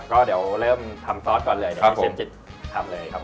ก็เดี๋ยวเริ่มทำซอสก่อนเลยเดี๋ยวพี่เจมส์จิตทำเลยครับ